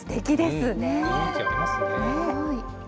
雰囲気ありますね。